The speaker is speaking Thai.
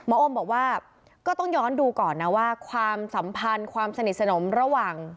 อมบอกว่าก็ต้องย้อนดูก่อนนะว่าความสัมพันธ์ความสนิทสนมระหว่าง